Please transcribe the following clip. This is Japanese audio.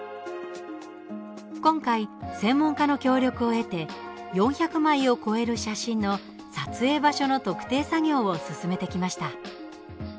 今回、専門家の協力を得て４００枚を超える写真の撮影場所の特定作業を進めてきました。